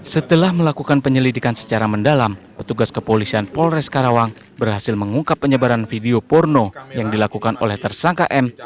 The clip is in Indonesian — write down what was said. setelah melakukan penyelidikan secara mendalam petugas kepolisian polres karawang berhasil mengungkap penyebaran video porno yang dilakukan oleh tersangka m